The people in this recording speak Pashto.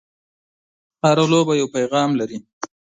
هره لوبه یو پیغام لري.